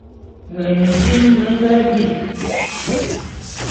Mendim me nga bi.